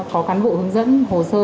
có cán bộ hướng dẫn hồ sơ